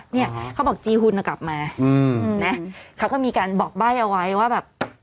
เนี่ยเขาบอกจีหุ่นอ่ะกลับมาอืมนะเขาก็มีการบอกใบ้เอาไว้ว่าแบบ